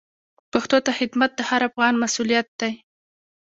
پښتو ته خدمت د هر افغان مسوولیت دی.